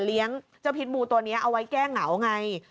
เจ้าพิษบูตัวนี้เอาไว้แก้เหงาไง